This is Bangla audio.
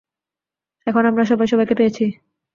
এখন আমরা সবাই সবাইকে পেয়েছি।